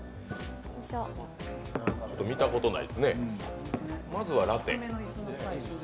見たことないですね、まずはラテ。